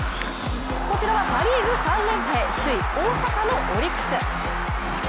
こちらはパ・リーグ３連覇へ首位・大阪のオリックス。